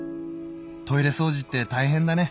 「トイレ掃除って大変だね」